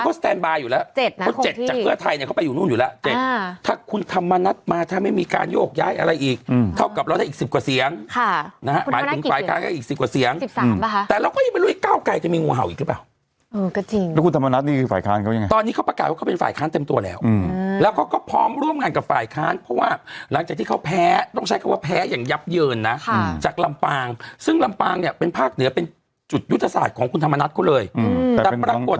คนเจ็ดจากเกื้อไทยเขาไปอยู่นู้นอยู่แล้วเจ็ดถ้าคุณธรรมนัสมาถ้าไม่มีการโยกย้ายอะไรอีกเท่ากับเราได้อีก๑๐กว่าเสียงคุณธรรมนัสกี่เสียง๑๓ป่ะคะแต่เราก็ไม่รู้ไอ้เก้าไกลจะมีงูเห่าอีกหรือเปล่าเออก็จริงแล้วคุณธรรมนัสนี่ฝ่ายค้านเขายังไงตอนนี้เขาประกาศว่าเขาเป็นฝ่ายค้านเต็มตัวแล้